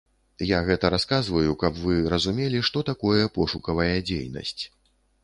Я гэта расказваю, каб вы разумелі, што такое пошукавая дзейнасць.